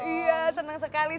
iya senang sekali